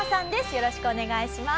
よろしくお願いします。